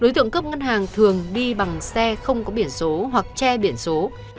đối tượng cướp ngân hàng thường đi bằng xe không có biển số hoặc che biển số